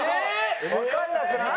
わかんなくなった。